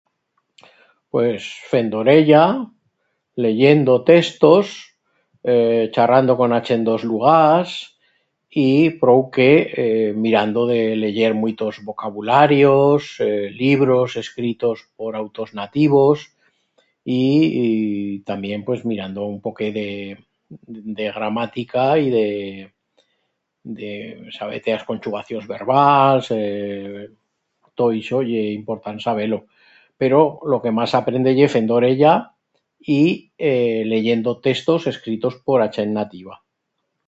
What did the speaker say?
Pues fendo orella, leyendo textos, ee charrando con a chent d'os lugars y prou que ee mirando de leyer muitos vocabularios, ee libros escritos por autors nativos y... y tamién pues mirando un poquet de... de gramatica y de... de saber-te as conchugacions verbals, ee tot ixo ye important saber-lo. Pero, lo que mas s'aprende ye fendo orella y leyendo textos escritos por a chent nativa.